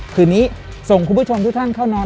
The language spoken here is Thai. คืนนี้ส่งคุณผู้ชมทุกท่านเข้านอน